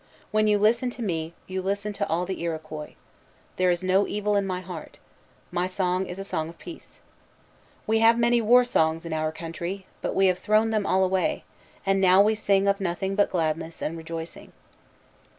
When you listen to me, you listen to all the Iroquois. There is no evil in my heart. My song is a song of peace. We have many war songs in our country; but we have thrown them all away, and now we sing of nothing but gladness and rejoicing."